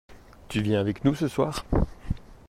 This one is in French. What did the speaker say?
Tu viens avec nous ce soir?